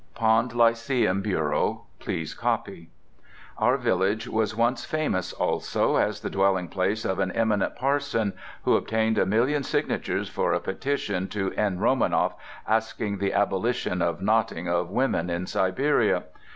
Pond Lyceum Bureau please copy. Our village was once famous also as the dwelling place of an eminent parson, who obtained a million signatures for a petition to N. Romanoff, asking the abolition of knouting of women in Siberia.